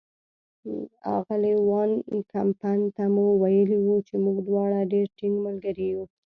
اغلې وان کمپن ته مو ویلي وو چې موږ دواړه ډېر ټینګ ملګري یو.